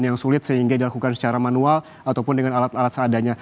yang sulit sehingga dilakukan secara manual ataupun dengan alat alat seadanya